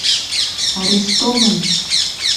Арестован!